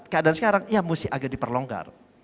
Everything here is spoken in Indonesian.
keadaan sekarang ya mesti agak diperlonggar